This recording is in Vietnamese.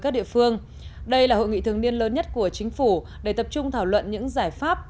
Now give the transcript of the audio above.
đây là hội nghị thường niên lớn nhất của chính phủ để tập trung thảo luận những giải pháp